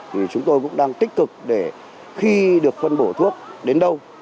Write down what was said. thì chúng tôi cũng đang tích cực để khi được phân bổ thuốc đến đâu